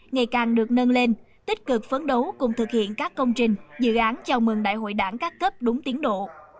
ngày càng được nâng lên tích cực phấn đấu cùng thực hiện các công trình dự án chào mừng đại hội đảng các cấp đúng tiến độ